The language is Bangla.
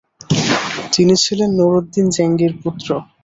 তিনি ছিলেন নুরউদ্দিন জেনগির পুত্র।